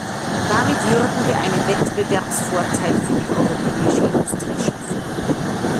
Damit würden wir einen Wettbewerbsvorteil für die europäische Industrie schaffen.